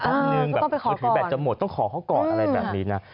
ต้องไปขอก่อนถือแบตจะหมดต้องขอเขาก่อนอะไรแบบนี้นะ